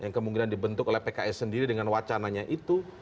yang kemungkinan dibentuk oleh pks sendiri dengan wacananya itu